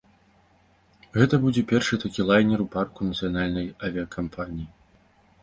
Гэта будзе першы такі лайнер у парку нацыянальнай авіякампаніі.